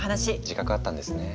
自覚あったんですね。